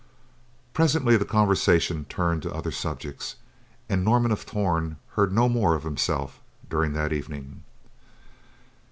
'" Presently the conversation turned to other subjects and Norman of Torn heard no more of himself during that evening.